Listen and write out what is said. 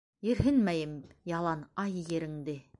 Ерһенмәйем, ялан, ай, ереңде